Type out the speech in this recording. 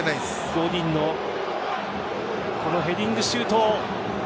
ゴディンのヘディングシュート。